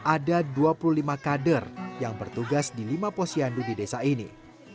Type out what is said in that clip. ada dua puluh lima kader yang bertugas di lima posyandu di desa ini